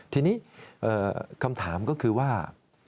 ทีนี้คำถามก็คือว่า